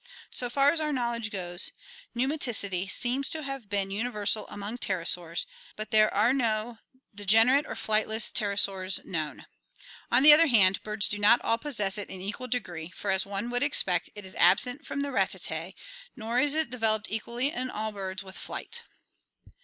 So far as our knowledge goes, pneumaticity seems to have been universal among pterosaurs, but there are no degen 354 ORGANIC EVOLUTION erate or flightless pterosaurs known. On the other hand, birds do not all possess it in equal degree for, as one would expect, it is absent from the Ratitae, nor is it developed equally in all birds with flight.